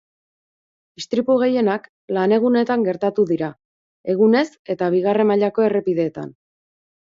Istripu gehienak lanegunetan gertatu dira, egunez eta bigarren mailako errepideetan.